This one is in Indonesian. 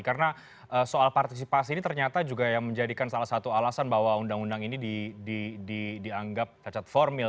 karena soal partisipasi ini ternyata juga yang menjadikan salah satu alasan bahwa undang undang ini dianggap hajat formil